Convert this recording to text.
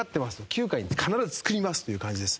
９回に必ず作りますという感じです。